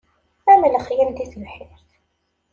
Am lexyal di tebḥirt.